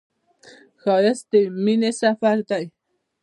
ښایست د مینې سفر دی